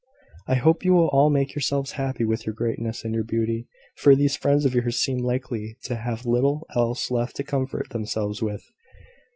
"I hope you will all make yourselves happy with your greatness and your beauty: for these friends of yours seem likely to have little else left to comfort themselves with."